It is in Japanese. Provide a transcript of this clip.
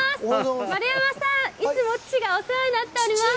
丸山さん、いつも父がお世話になっております。